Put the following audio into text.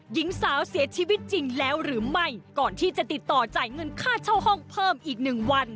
หญิงสาวเสียชีวิตจริงแล้วหรือไม่ก่อนที่จะติดต่อจ่ายเงินค่าเช่าห้องเพิ่มอีกหนึ่งวัน